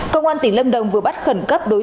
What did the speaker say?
công an tỉnh lâm đồng vừa bắt khẩn cấp đối tượng